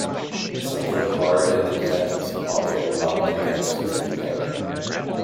Something hard in the detective's pocket knocked against his companion.